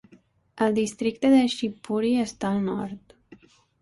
El districte de Shivpuri està al nord.